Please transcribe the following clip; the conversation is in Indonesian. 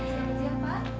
oke siap siap pak